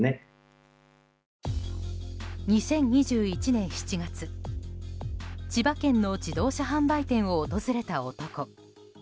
２０２１年７月千葉県の自動車販売店を訪れた男。